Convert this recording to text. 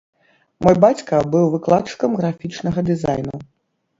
Мой бацька быў выкладчыкам графічнага дызайну.